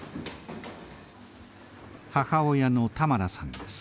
母親のタマラさんです。